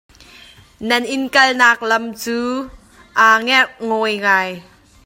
Nan inn kalnak lam cu aa ngerhnguai ngai.